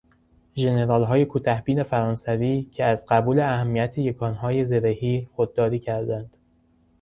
ژنرالهای کوتهبین فرانسویکه از قبول اهمیت یکانهای زرهی خودداری کردند